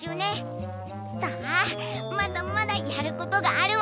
さあまだまだやることがあるわよ！